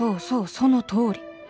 そうそのとおり。